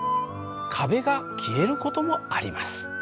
壁が消える事もあります。